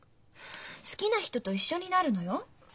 好きな人と一緒になるのよ。